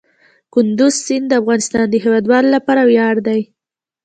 کندز سیند د افغانستان د هیوادوالو لپاره ویاړ دی.